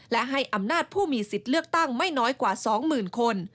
และให้อำนาจผู้มีสิทธิ์เลือกตั้งไม่น้อยกว่า๒๐๐๐คน